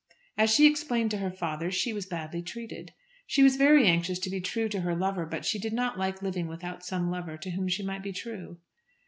As she explained to her father, she was badly treated. She was very anxious to be true to her lover; but she did not like living without some lover to whom she might be true.